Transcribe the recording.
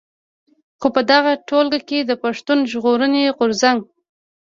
خو په دغه ټولګه کې د پښتون ژغورني غورځنګ.